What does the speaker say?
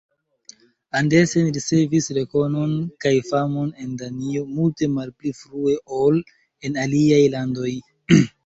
Andersen ricevis rekonon kaj famon en Danio multe malpli frue ol en aliaj landoj.